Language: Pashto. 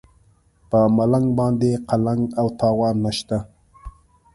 په ملنګ باندې قلنګ او تاوان نشته.